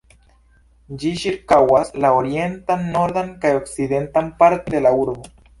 Ĝi ĉirkaŭas la orientan, nordan, kaj okcidentan partojn de la urbo.